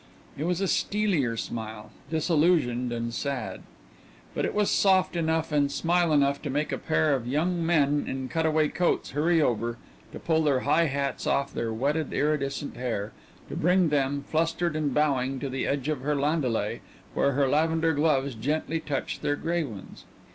It was a steelier smile, disillusioned and sad. But it was soft enough and smile enough to make a pair of young men in cutaway coats hurry over, to pull their high hats off their wetted, iridescent hair; to bring them, flustered and bowing, to the edge of her landaulet, where her lavender gloves gently touched their gray ones.